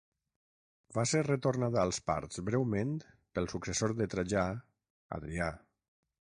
Va ser retornada als parts breument pel successor de Trajà, Adrià.